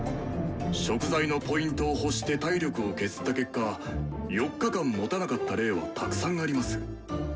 食材のＰを欲して体力を削った結果４日間もたなかった例はたくさんあります。